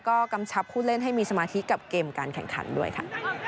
ก็กำชับผู้เล่นให้มีสมาธิกับเกมการแข่งขันด้วยค่ะ